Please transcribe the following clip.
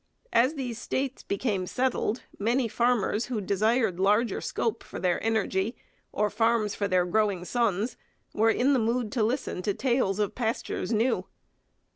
As these states became settled, many farmers who desired larger scope for their energy or farms for their growing sons were in the mood to listen to tales of pastures new.